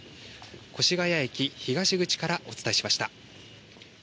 越谷駅東口からお伝えしました。